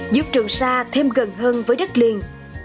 giúp trường sa thêm gần hơn với đất liền